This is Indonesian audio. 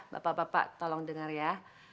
bapak bapak tolong dengar ya